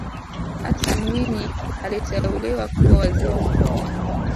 hassan mwinyi aliteuliwa kuwa waziri mkuu